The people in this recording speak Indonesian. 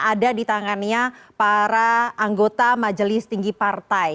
ada di tangannya para anggota majelis tinggi partai